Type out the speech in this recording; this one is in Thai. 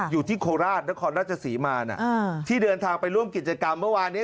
โคราชนครราชศรีมาที่เดินทางไปร่วมกิจกรรมเมื่อวานนี้